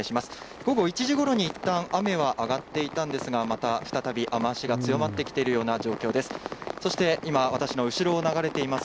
午後１時ごろにいったん雨は上がっていたんですが、また再び雨足が強まってきているような状況です。